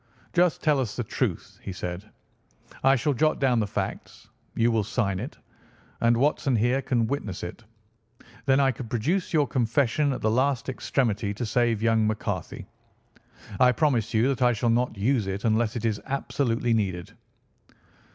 "Just tell us the truth," he said. "I shall jot down the facts. You will sign it, and Watson here can witness it. Then I could produce your confession at the last extremity to save young McCarthy. I promise you that I shall not use it unless it is absolutely needed."